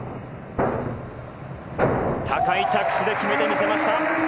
高い着地で決めて見せました。